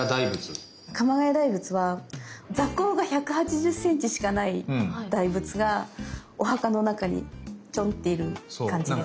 鎌ヶ谷大仏は座高が１８０センチしかない大仏がお墓の中にちょんっている感じです。